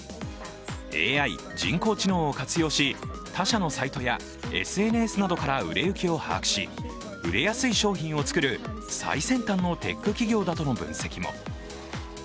ＡＩ＝人工知能を活用し他社のサイトやＳＮＳなどから売れ行きを把握し、売れやすい商品を作る最先端のテック企業だとの分析も。